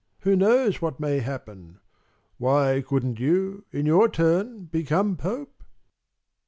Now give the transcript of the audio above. Who knows what may happen? Why couldn't you, in your turn, become Pope?"